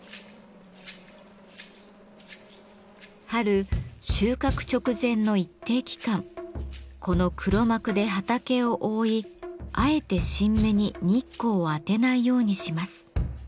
春収穫直前の一定期間この黒幕で畑を覆いあえて新芽に日光を当てないようにします。